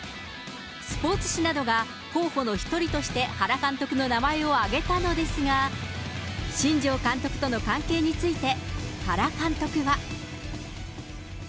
スポーツ紙などが候補の一人として原監督の名前を挙げたのですが、新庄監督との関係について、原監督は。